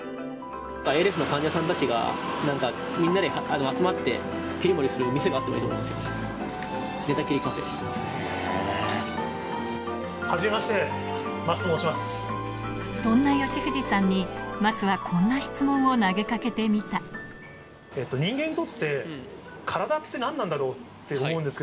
ＡＬＳの患者さんたちがなんか、みんなで集まって切り盛りする店があってもいいと思うんですよ。